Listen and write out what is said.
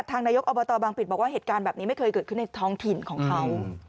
นายกอบตบางปิดบอกว่าเหตุการณ์แบบนี้ไม่เคยเกิดขึ้นในท้องถิ่นของเขา